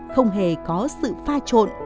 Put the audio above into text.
không hề có sự pha trộn